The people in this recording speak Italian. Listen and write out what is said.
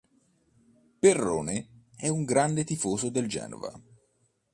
Perrone è un grande tifoso del Genoa.